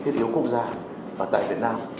thiết yếu quốc gia và tại việt nam